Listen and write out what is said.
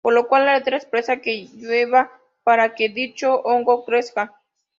Por la cual la letra expresa que llueva, para que dicho hongo crezca.